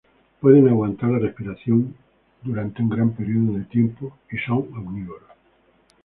Pueden aguantar la respiración por un gran periodo de tiempo y son omnívoros.